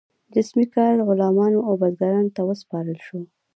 جسمي کار غلامانو او بزګرانو ته وسپارل شو.